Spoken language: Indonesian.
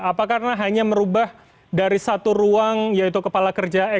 apa karena hanya merubah dari satu ruang yaitu kepala kerjaan